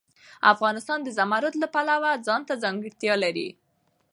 افغانستان د زمرد د پلوه ځانته ځانګړتیا لري.